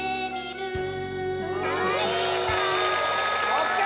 ＯＫ！